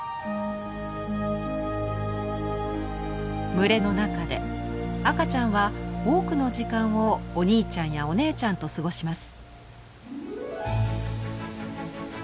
群れの中で赤ちゃんは多くの時間をお兄ちゃんやお姉ちゃんと過ごします。